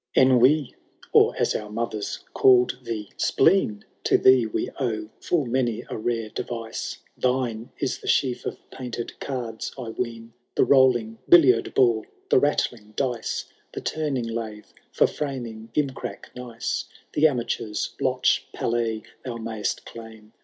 Ennui !— or, as our mothers called thee, Spleen I To thee we owe full many a rare deyice ;— Thine is the sheaf of painted cards, I ween. The rolling hilliard ball, the rattling dice. The turning lathe for framing gimcrack nice ; The amateur's blotch' pallet thou majst claim.